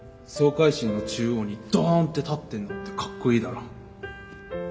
総回診の中央にドンって立ってんのってかっこいいだろ。